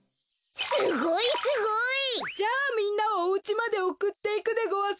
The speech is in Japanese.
すごいすごい！じゃあみんなをおうちまでおくっていくでごわす。